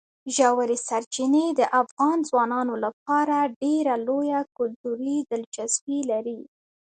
ژورې سرچینې د افغان ځوانانو لپاره ډېره لویه کلتوري دلچسپي لري.